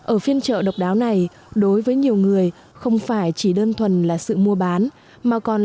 ở phiên chợ độc đáo này đối với nhiều người không phải chỉ đơn thuần là sự mua bán